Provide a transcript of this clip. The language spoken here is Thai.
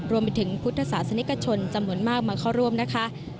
รวมถึงพุทธศาสนิกชนจำนวนมากมาเข้าร่วมนะคะ